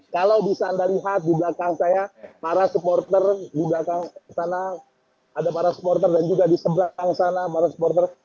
kalau bisa anda lihat di belakang saya para supporter di belakang sana ada para supporter dan juga di seberang sana para supporter